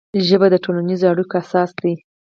ژبه د ټولنیزو اړیکو اساس دی